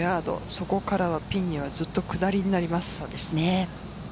そこからはピンはずっと下りになります。